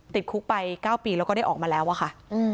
ติดคุกไป๙ปีแล้วก็ได้ออกมาแล้วอะค่ะ